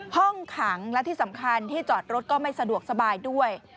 ห้องขังและที่สำคัญที่จอดรถก็ไม่สะดวกสบายด้วย